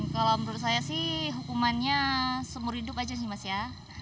kalau menurut saya sih hukumannya seumur hidup aja sih mas ya